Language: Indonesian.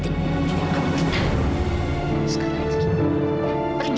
tidak akan pernah